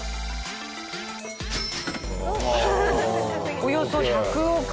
およそ１００億円。